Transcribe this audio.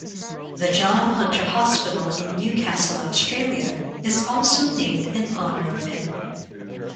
The John Hunter Hospital in Newcastle, Australia is also named in honour of him.